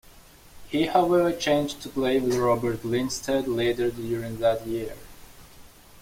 He however changed to play with Robert Lindstedt later during that year.